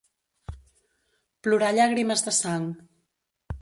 Plorar llàgrimes de sang.